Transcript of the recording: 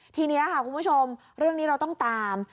ทีนี้ค่ะคุณผู้ชมเรื่องนี้เราต้องตาม